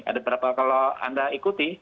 ada berapa kalau anda ikuti